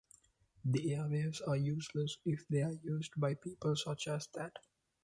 The airwaves are useless if they are used by people such as that.